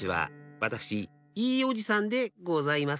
わたくしいいおじさんでございます。